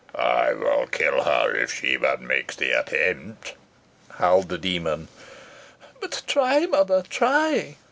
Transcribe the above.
"I will kill her if she but makes the attempt," howled the demon. "But try, mother, try!"